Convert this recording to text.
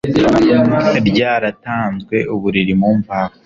ryaratanzwe ubu riri mu mvaho